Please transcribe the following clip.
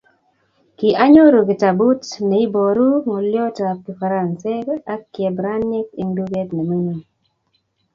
kianyoru kitabut me oboru ngolyot ab kifaransaek ak kiebraniek eng duket be mining